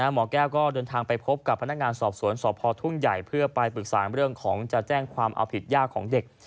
หมอแก้วก็เดินทางไปพบกับพนักงานสอบสวนสพทุ่งใหญ่เพื่อไปปรึกษาเรื่องของจะแจ้งความเอาผิดย่าของเด็ก